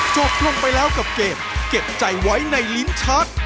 จบลงไปแล้วกับเกมเก็บใจไว้ในลิ้นชัก